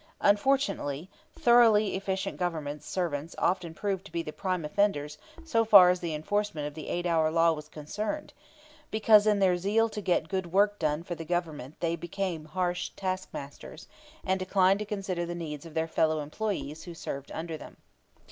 Unfortunately, thoroughly efficient government servants often proved to be the prime offenders so far as the enforcement of the eight hour law was concerned, because in their zeal to get good work done for the Government they became harsh taskmasters, and declined to consider the needs of their fellow employees who served under them.